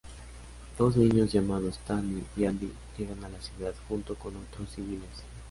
Dos niños llamados Tammy y Andy llegan a la ciudad junto con otros civiles.